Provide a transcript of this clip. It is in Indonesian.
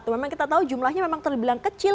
memang kita tahu jumlahnya memang terbilang kecil